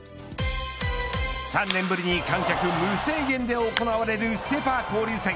３年ぶりに観客無制限で行われるセ・パ交流戦。